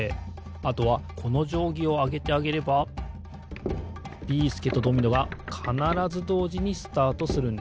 あとはこのじょうぎをあげてあげればビーすけとドミノがかならずどうじにスタートするんです。